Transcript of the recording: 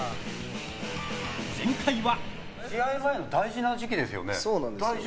前回は。